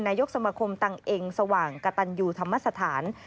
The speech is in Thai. นายกสมคมตังเองสว่างกระตันยูธรรมสถาน